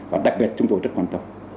và đặc biệt chúng tôi rất quan tâm